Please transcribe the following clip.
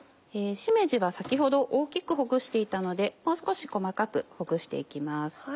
しめじは先ほど大きくほぐしていたのでもう少し細かくほぐして行きます。